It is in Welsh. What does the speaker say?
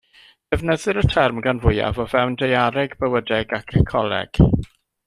Defnyddir y term gan fwyaf o fewn daeareg, bywydeg ac ecoleg.